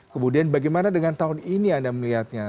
kemudian bagaimana dengan tahun ini anda melihatnya